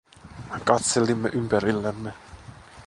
Katselimme ympärillemme.